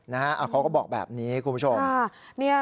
เขาก็บอกแบบนี้คุณผู้ชม